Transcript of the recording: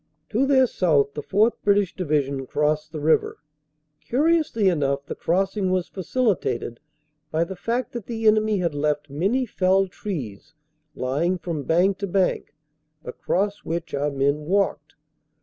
"To their south the 4th. British Division crossed the river. Curiously enough the crossing was facilitated by the fact that the enemy had left many felled trees lying from bank to bank, across which our men walked.